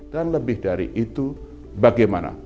dan lebih dari itu bagaimana